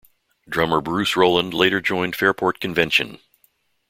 Drummer Bruce Rowland later joined Fairport Convention.